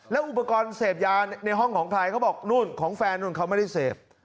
แล้วอุปกรณ์เสพยาในห้องของใครเขาบอกนู่นของแฟนนู่นเขาไม่ได้เสพ